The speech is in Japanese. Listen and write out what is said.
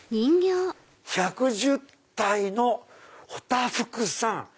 １１０体のおたふくさん。